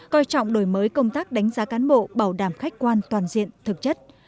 coi trọng đổi mới công tác đánh giá cán bộ bảo đảm khách quan toàn diện thực chất